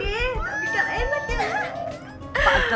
tapi gak hebat ya